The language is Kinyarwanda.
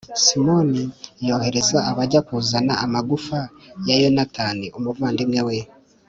simoni yohereza abajya kuzana amagufa ya yonatani, umuvandimwe we